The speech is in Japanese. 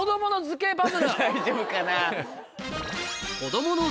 大丈夫かな。